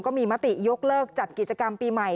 มีมติยกเลิกจัดกิจกรรมปีใหม่